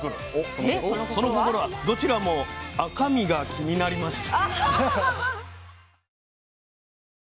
その心はどちらも「赤身」が気になります。